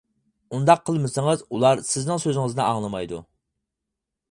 ئۇنداق قىلمىسىڭىز ئۇلار سىزنىڭ سۆزىڭىزنى ئاڭلىمايدۇ.